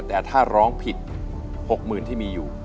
แต่ถ้าร้องผิดหกหมื่นที่มีอยู่